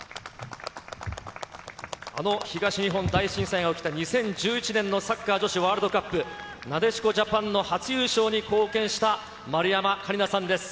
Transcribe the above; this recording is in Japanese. あの東日本大震災が起きた、２０１１年のサッカー女子ワールドカップ、なでしこジャパンの初優勝に貢献した、丸山桂里奈さんです。